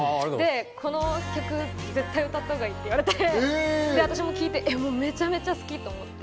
この曲、絶対歌ったほうがいいって言われて、私も聞いてめちゃめちゃ好きと思って。